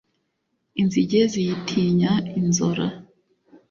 inzige ziyitinya inzora